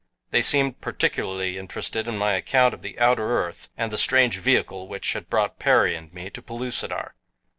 They seemed particularly interested in my account of the outer earth and the strange vehicle which had brought Perry and me to Pellucidar.